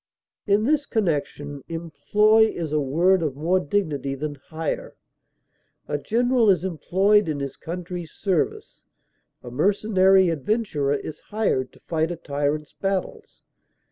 In this connection employ is a word of more dignity than hire; a general is employed in his country's service; a mercenary adventurer is hired to fight a tyrant's battles.